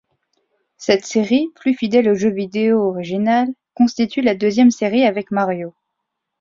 Cette série, plus fidèle au jeu vidéo original, constitue la deuxième série avec Mario.